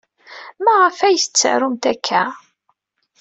Maɣef ay tettarumt akka?